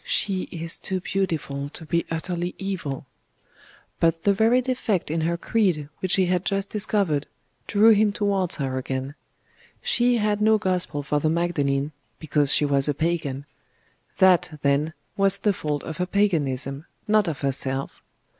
'She is too beautiful to be utterly evil'; but the very defect in her creed which he had just discovered, drew him towards her again. She had no Gospel for the Magdalene, because she was a Pagan.... That, then, was the fault of her Paganism, not of herself.